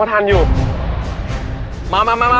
ว่านั่นก่อนก็ไม่ไหว